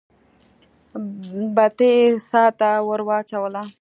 بتۍ يې څا ته ور واچوله.